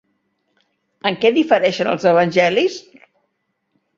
En què difereixen els evangelis?